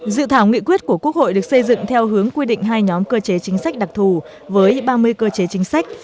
dự thảo nghị quyết của quốc hội được xây dựng theo hướng quy định hai nhóm cơ chế chính sách đặc thù với ba mươi cơ chế chính sách